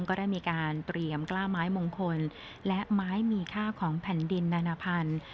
ก็ได้มีการเตรียมกล้าไม้มงคลและไม้มีค่าของแผ่นดินนานาพันธุ์